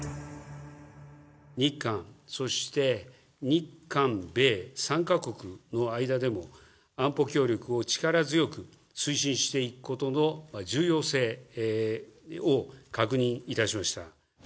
日韓、そして日韓米３か国の間でも、安保協力を力強く推進していくことの重要性を確認いたしました。